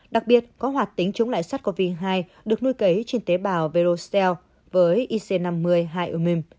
đặc biệt có hoạt tính chống lại sars cov hai được nuôi kế trên tế bào verostel với ic năm mươi hai umim